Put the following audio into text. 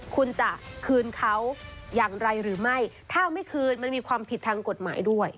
คุณจะคืนเขาอย่างไรหรือไม่ถ้าไม่คืนมันมีความผิดทางกฎหมายด้วย